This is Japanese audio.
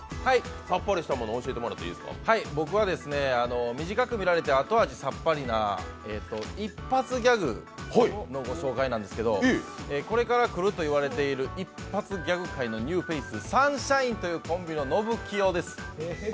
僕は短く見られて後味さっぱりな一発ギャグのご紹介なんですけどこれから来るといわれている一発ギャグ界のニューフェイス、サンシャインというコンビののぶきよです。